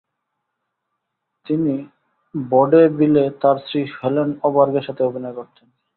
তিনি ভডেভিলে তার স্ত্রী হেলেন ওবার্গের সাথে অভিনয় করতেন।